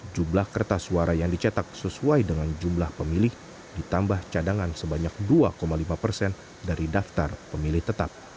jumlah kertas suara yang dicetak sesuai dengan jumlah pemilih ditambah cadangan sebanyak dua lima persen dari daftar pemilih tetap